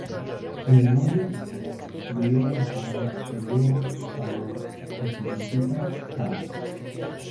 El nombre de la ciudad deriva de la palabra hebrea "shalom", que significa "paz".